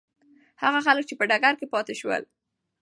هغه خلک چې په ډګر کې پاتې شول.